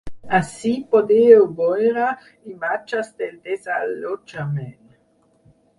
Ací podeu veure imatges del desallotjament.